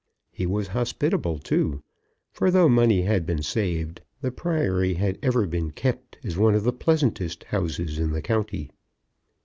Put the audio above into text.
He was hospitable, too; for, though money had been saved, the Priory had ever been kept as one of the pleasantest houses in the county.